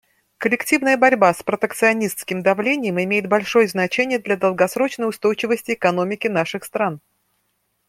Коллективная борьба с протекционистским давлением имеет большое значение для долгосрочной устойчивости экономики наших стран.